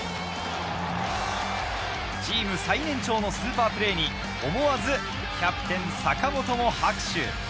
チーム最年長のスーパープレーに思わずキャプテン・坂本も拍手。